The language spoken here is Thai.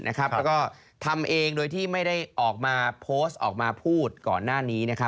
แล้วก็ทำเองโดยที่ไม่ได้ออกมาโพสต์ออกมาพูดก่อนหน้านี้